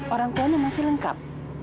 orang tuanya masih lengkap